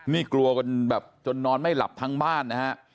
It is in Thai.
นี่กลัวกันแบบจนนอนไม่หลับทั้งบ้านนะฮะ